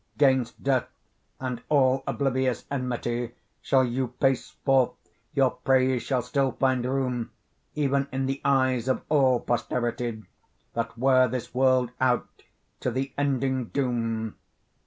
'Gainst death, and all oblivious enmity Shall you pace forth; your praise shall still find room Even in the eyes of all posterity That wear this world out to the ending doom.